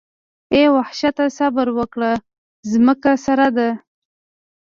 اې وحشته صبر وکړه ځمکه سره ده.